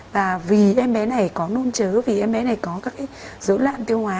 và vì em bé này có nôn chớ vì em bé này có các cái dối loạn tiêu hóa